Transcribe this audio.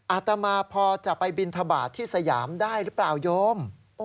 อาตมาพอจะไปบินทบาทที่สยามได้หรือเปล่าโยม